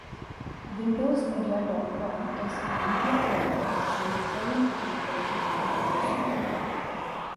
WindowsMedia dot com is a media player website owned and operated by Microsoft.